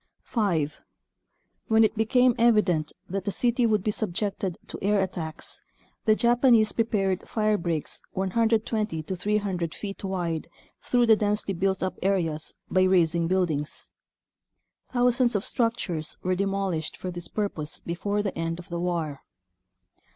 5. When it became evident that the city would be subjected to air attacks the Japanese prepared firebreaks 120 to 300 feet wide through the densely built up areas by razing buildings. Thousands of structures were de molished for this purpose before the end of the war.